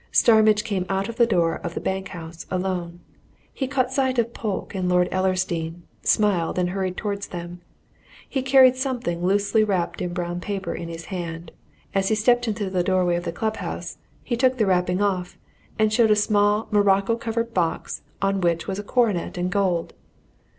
Starmidge came out of the door of the bank house alone. He caught sight of Polke and Lord Ellersdeane, smiled, and hurried towards them. He carried something loosely wrapped in brown paper in his hand; as he stepped into the doorway of the club house, he took the wrapping off, and showed a small morocco covered box on which was a coronet in gold.